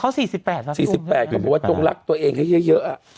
๔๘เขาบอกว่าต้องรักตัวเองให้เยอะอ่ะ